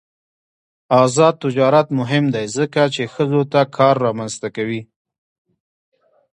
آزاد تجارت مهم دی ځکه چې ښځو ته کار رامنځته کوي.